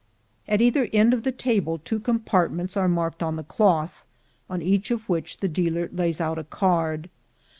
At either end of the table two compartments, are marked on the cloth, on each of which the dealer lays out a card.